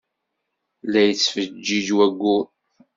La yettfejjij wayyur.